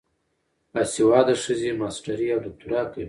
باسواده ښځې ماسټري او دوکتورا کوي.